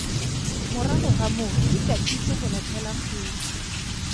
Morago ga moo ikatise go latlhela kgwele.